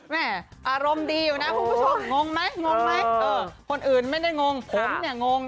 แม่อารมณ์ดีอยู่นะงงไหมคนอื่นไม่ได้งงผมเนี่ยงง